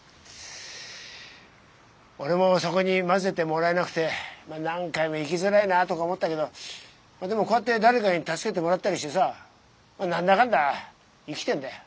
俺もそこに交ぜてもらえなくて何回も生きづらいなとか思ったけどでもこうやって誰かに助けてもらったりしてさ何だかんだ生きてんだよ。